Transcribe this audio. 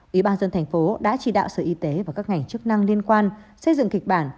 ủy ban dân thành phố đã chỉ đạo sở y tế và các ngành chức năng liên quan xây dựng kịch bản